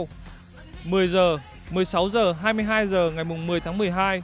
một mươi h một mươi sáu h hai mươi hai h ngày một mươi tháng một mươi hai